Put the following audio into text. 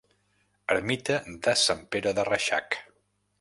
Ermita de Sant Pere de Reixac.